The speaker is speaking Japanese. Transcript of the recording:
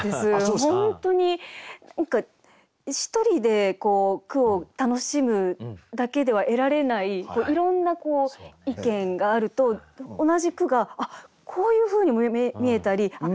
本当に一人で句を楽しむだけでは得られないいろんな意見があると同じ句があっこういうふうにも見えたりあっ